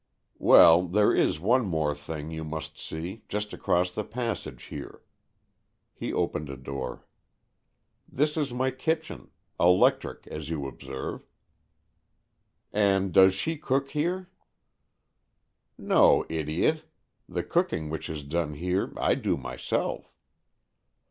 "Well, there is one thing more you must see, just across the passage here." He opened a door. " This is my kitchen — electric as you observe." " And does she cook here ?" 56 AN EXCHANGE OF SOULS ''No, idiot. The cooking which is done here I do myself.